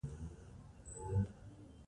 بادام د افغان ځوانانو د هیلو استازیتوب کوي.